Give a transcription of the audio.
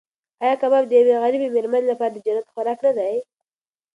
ایا کباب د یوې غریبې مېرمنې لپاره د جنت خوراک نه دی؟